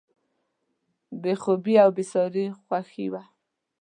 بې خوبي او بېساري خوښي وه.